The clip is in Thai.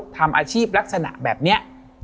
ทำอาชีพลักษณะแบบนี้